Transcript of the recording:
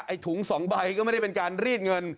ถุง๒ใบก็ไม่ได้เป็นการรีดเงิน